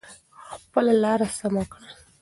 خپله لاره سمه کړئ.